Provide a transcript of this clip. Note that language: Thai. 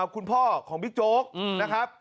คุณพ่อของบิ๊กโจ๊กนะครับ